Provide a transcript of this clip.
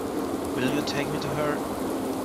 Will you take me to her?